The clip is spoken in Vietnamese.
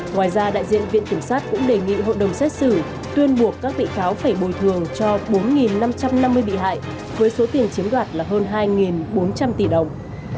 ngoài ra đại diện viện kiểm sát cũng đề nghị hội đồng xét xử tuyên buộc các bị cáo phải bồi thường cho bốn năm trăm năm mươi bị hại với số tiền chiếm đoạt là hơn hai bốn trăm linh tỷ đồng